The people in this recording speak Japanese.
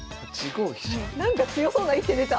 なんか強そうな一手出た！